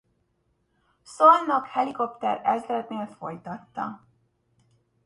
Szolnok Helikopter Ezrednél folytatta.